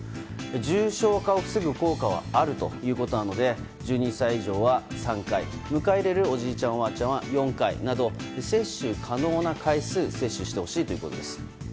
重症化を防ぐ効果はあるということなので１２歳以上は３回迎え入れるおじいちゃん、おばあちゃんは４回など、接種可能な回数を接種してほしいということです。